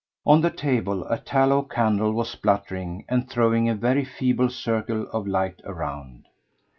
On the table a tallow candle was spluttering and throwing a very feeble circle of light around.